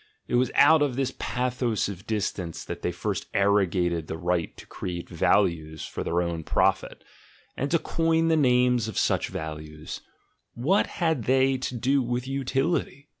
It was out of this pathos of distance that they first arrogated the right to create values for their own profit, and to coin the names of such values: what had they to do with utility?